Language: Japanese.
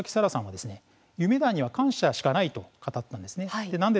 沙來さんは夢団には感謝しかないと語ったんです。